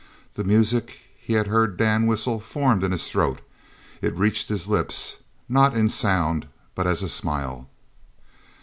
The music he had heard Dan whistle formed in his throat. It reached his lips not in sound but as a smile.